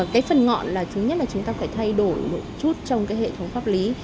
cái phần ngọn là thứ nhất là chúng ta phải thay đổi một chút trong cái hệ thống pháp lý